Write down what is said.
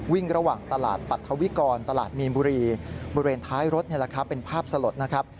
วิ่งระหว่างตลาดปรัฐวิกรตลาดมีนบุรีบริเวณท้ายรถนี่แหละครับเป็นภาพสลดนะครับ